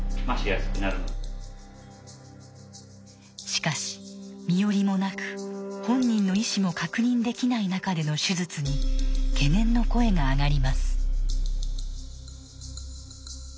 しかし身寄りもなく本人の意思も確認できない中での手術に懸念の声が上がります。